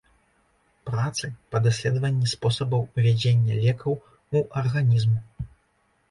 Працы па даследаванні спосабаў увядзення лекаў у арганізм.